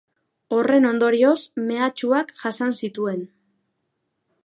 Horren ondorioz, mehatxuak jasan zituen.